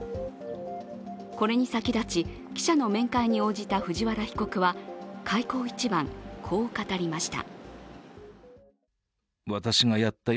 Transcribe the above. これに先立ち、記者の面会に応じた藤原被告は開口一番、こう語りました。